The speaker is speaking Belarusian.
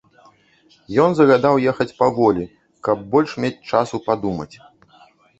Ён загадаў ехаць паволі, каб больш мець часу падумаць.